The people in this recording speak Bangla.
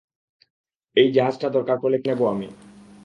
এই জাহাজটা দরকার পড়লে কিনে নেব আমি!